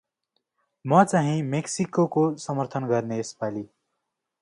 म चाहि मेक्सिकोको समर्थन गर्ने यसपाली ।